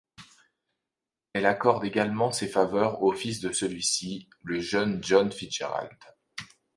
Elle accorde également ses faveurs au fils de celui-ci, le jeune John Fitzgerald.